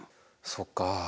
そっかあ。